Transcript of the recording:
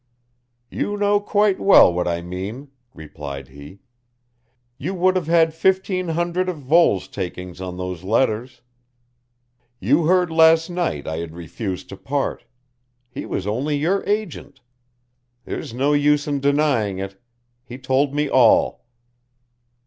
"You know quite well what I mean," replied he, "you would have had fifteen hundred of Voles' takings on those letters. You heard last night I had refused to part. He was only your agent. There's no use in denying it. He told me all."